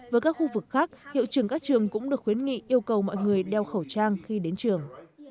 với các khu vực khác hiệu trường các trường cũng được khuyến nghị yêu cầu mọi người đeo khẩu trang khi đến trường